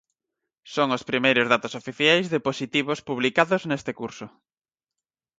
Son os primeiros datos oficiais de positivos publicados neste curso.